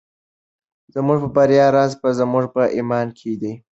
زموږ د بریا راز په زموږ په ایمان کې دی.